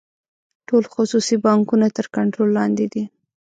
ټول خصوصي بانکونه تر کنټرول لاندې دي.